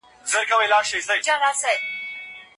څه شی ډیپلوماټ له لوی ګواښ سره مخ کوي؟